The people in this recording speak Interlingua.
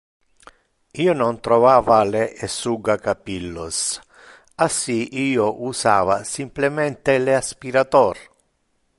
Io non trovava le essugacapillos, assi io usava simplemente le aspirator.